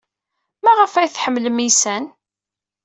Maɣef ay tḥemmlem iysan?